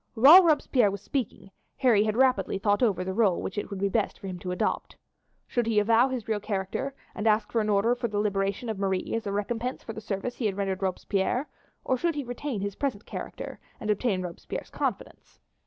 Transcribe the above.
While Robespierre was speaking Harry had rapidly thought over the role which it would be best for him to adopt. Should he avow his real character and ask for an order for the liberation of Marie as a recompense for the service he had rendered Robespierre, or should he retain his present character and obtain Robespierre's confidence?